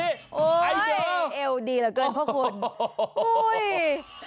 ไอเดอะเอิวดีเหรอเจินแม่อย่างนี้